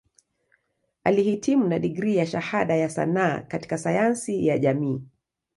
Alihitimu na digrii ya Shahada ya Sanaa katika Sayansi ya Jamii.